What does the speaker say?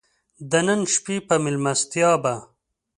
د نن شپې په مېلمستیا به.